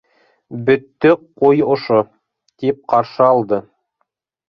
Бөттөк ҡуй ошо, — тип ҡаршы алды.